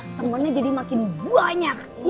temennya jadi makin banyak